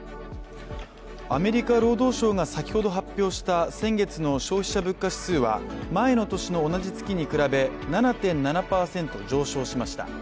アメリカ労働省が先ほど発表した先月の消費者物価指数は前の年の同じ月に比べ、７．７％上昇しました。